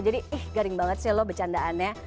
jadi ih garing banget sih lo becandaan ya